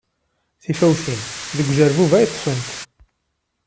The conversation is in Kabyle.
Tifawtin deg ujerbub ay ṭṭfent.